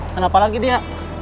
kenapa lagi dia